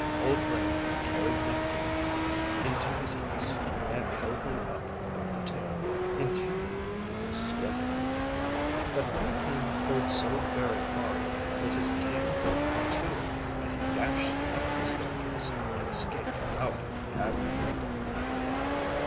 Old Brown carried Nutkin into his house, and held him up by the tail, intending to skin him; but Nutkin pulled so very hard that his tail broke in two, and he dashed up the staircase, and escaped out of the attic window.